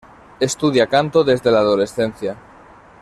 Estudia canto desde la adolescencia.